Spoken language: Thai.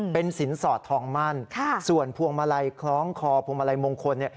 เป็นสินสอดทองมั่นส่วนพวงมาลัยคล้องคอพวงมาลัยมงคล